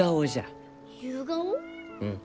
うん。